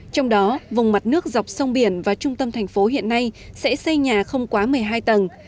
trong đó vùng mặt nước dọc sông biển và trung tâm thành phố hiện nay sẽ xây nhà không quá một mươi hai tầng